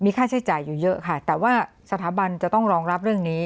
ค่าใช้จ่ายอยู่เยอะค่ะแต่ว่าสถาบันจะต้องรองรับเรื่องนี้